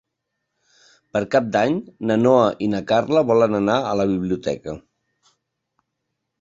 Per Cap d'Any na Noa i na Carla volen anar a la biblioteca.